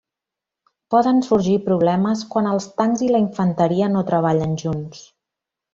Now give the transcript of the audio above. Poden sorgir problemes quan els tancs i la infanteria no treballen junts.